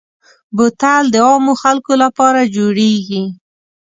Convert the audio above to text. بوتل د عامو خلکو لپاره جوړېږي.